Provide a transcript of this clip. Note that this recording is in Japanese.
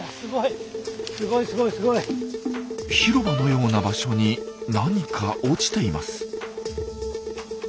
広場のような場所に何か落ちています。